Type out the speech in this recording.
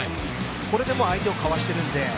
これで相手をかわしてるんで。